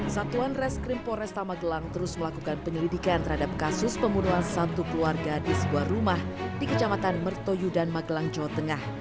satuan reskrim polresta magelang terus melakukan penyelidikan terhadap kasus pembunuhan satu keluarga di sebuah rumah di kecamatan mertoyudan magelang jawa tengah